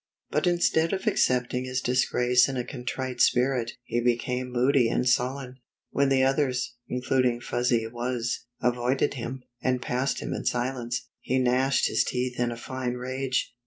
But instead of accepting his disgrace in a con trite spirit, he became moody and sullen. When the others, including Fuzzy Wuzz, avoided him, and passed him in silence, he gnashed his teeth in a fine rage.